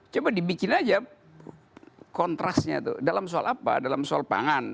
coba dibikin aja kontrasnya itu dalam soal apa dalam soal pangan